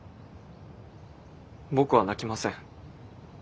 僕は泣きません。